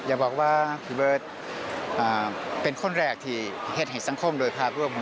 อย่าบอกว่าพี่เบิร์ตเป็นคนแรกที่เห็ดแห่งสังคมโดยภาพรวม